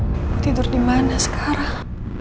gue tidur dimana sekarang